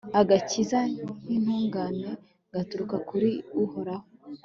agakiza k'intungane gaturuka kuri uhoraho